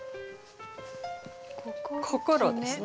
「心」ですね。